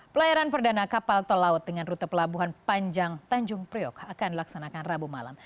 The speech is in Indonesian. pelayaran perdana kapal tol laut dengan rute pelabuhan panjang tanjung priok akan dilaksanakan rabu malam